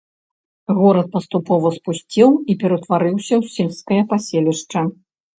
Горад паступова спусцеў і ператварыўся ў сельскае паселішча.